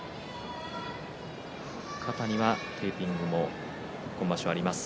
肩にはテーピングも今場所はあります。